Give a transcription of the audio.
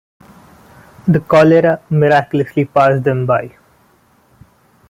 The cholera miraculously passed them by.